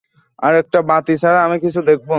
আরেকটা বাতি ছাড়া আমি কিছু দেখব না।